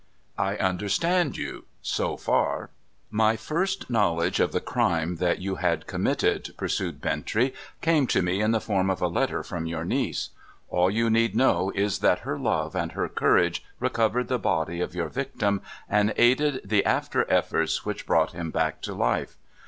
* I understand you, so far.' ' My first knowledge of the crime that you had committed,' pur sued Bintrey, ' came to me in the form of a letter from your niece. All you need know is that her love and her courage recovered the body of your victim, and aided the after efforts which brought him back to life.